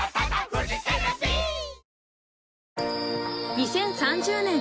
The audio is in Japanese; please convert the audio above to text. ［２０３０年